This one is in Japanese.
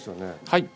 はい。